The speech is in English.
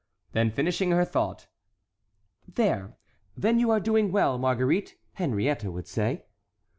Then finishing her thought: "There! 'then you are doing well, Marguerite,' Henriette would say."